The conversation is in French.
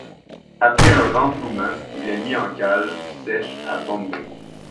Après un renflouement, il est mis en cale sèche à Bombay.